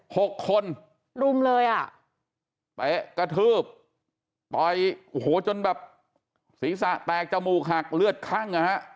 หกคนรุมเลยอ่ะไปกระทืบต่อยโอ้โหจนแบบศีรษะแตกจมูกหักเลือดคั่งนะฮะ